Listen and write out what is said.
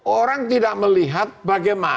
orang tidak melihat bagaimana